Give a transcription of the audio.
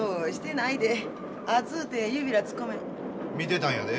見てたんやで。